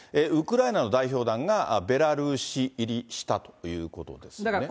ウクライナの代表団がベラルーシ入りしたということですね。